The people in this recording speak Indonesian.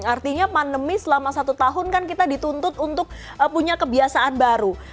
artinya pandemi selama satu tahun kan kita dituntut untuk punya kebiasaan baru